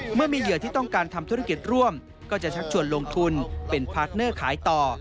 เมื่อมีเหยื่อที่ต้องการทำธุรกิจร่วมก็จะชักชวนลงทุนเป็นพาร์ทเนอร์ขายต่อ